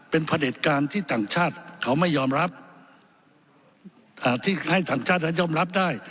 เป็นพระเด็จการที่ต่างชาติเขาไม่ยอมรับที่ให้ต่างชาตินั้นยอมรับได้